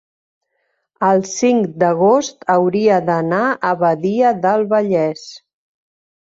el cinc d'agost hauria d'anar a Badia del Vallès.